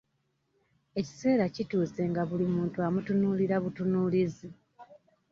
Ekiseera kituuse nga buli muntu amutunuulira butunuulizi.